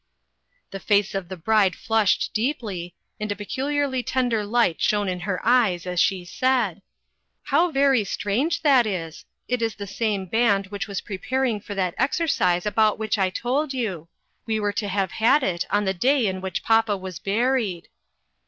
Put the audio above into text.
The face of the bride flushed deeply, and a peculiarly tender light shone in her eyes as she said :" How very strange that is I It is the same Band which was preparing for that exercise about which I told you. We were A FAMILY SECRET. 443 to have had it on the day in which papa was buried."